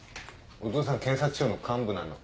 お父さん検察庁の幹部なの